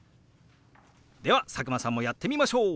では佐久間さんもやってみましょう！